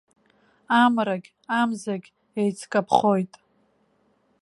Амрагь амзагь еицкаԥхоит.